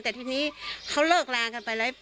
แต่ทีนี้เขาเลิกลากันไปแล้ว